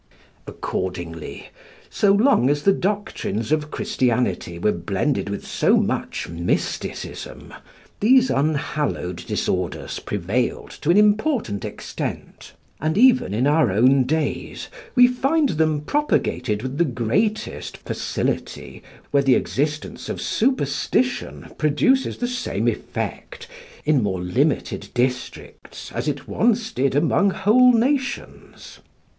Accordingly, so long as the doctrines of Christianity were blended with so much mysticism, these unhallowed disorders prevailed to an important extent, and even in our own days we find them propagated with the greatest facility where the existence of superstition produces the same effect, in more limited districts, as it once did among whole nations.